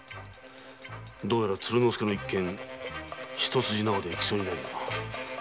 どうやら鶴之助の一件一筋縄ではいきそうもないな。